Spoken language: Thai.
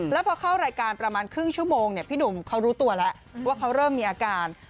แล้วพอเข้ารายการประมาณครึ่งชั่วโมงพี่หนุ่มเขารู้ตัวแล้วว่าเขาเริ่มมีอาการ